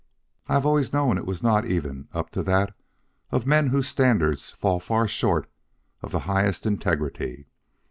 I have always known it was not even up to that of men whose standards fall far short of the highest integrity.